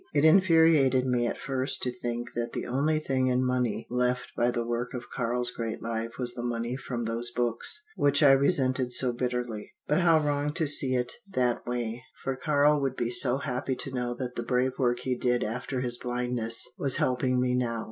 It infuriated me at first to think that the only thing in money left by the work of Karl's great life was the money from those books which I resented so bitterly. But how wrong to see it that way for Karl would be so happy to know that the brave work he did after his blindness was helping me now.